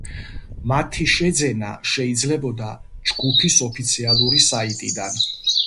მათი შეძენა შეიძლებოდა ჯგუფის ოფიციალური საიტიდან.